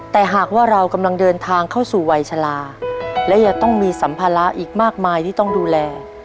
แต่หากว่าเรากำลังเดินทางเข้าสู่วัยชะลาและยังต้องมีสัมภาระอีกมากมายที่ต้องดูแล